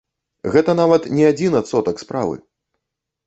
Гэта нават не адзін адсотак справы!